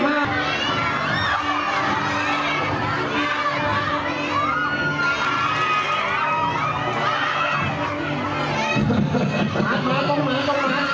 มาต้องมาต้องมา